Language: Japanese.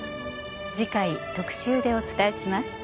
次回特集でお伝えします。